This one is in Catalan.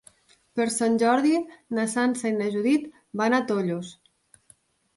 Per Sant Jordi na Sança i na Judit van a Tollos.